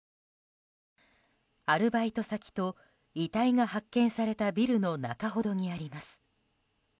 アルバイト先と遺体が発見されたビルの中ほどにあります。